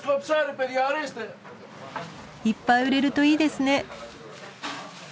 いっぱい売れるといいですね。